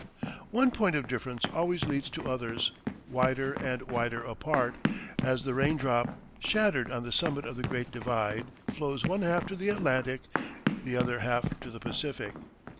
One point of difference always leads to others, wider and wider apart, as the rain drop, shattered on the summit of the Great Divide, flows one half to the Atlantic the other half to the Pacific.